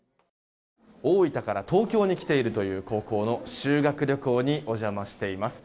大分から東京に来ているという高校の修学旅行にお邪魔しています。